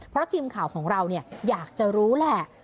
เพราะทีมข่าวของเราอยากจะรู้แหละ